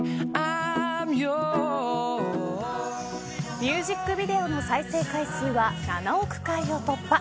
ミュージックビデオの再生回数は７億回を突破。